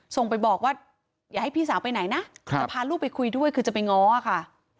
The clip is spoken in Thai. ส่งไปบอกว่าอย่าให้พี่สาวไปไหนนะจะพาลูกไปคุยด้วยคือจะไปง้อค่ะ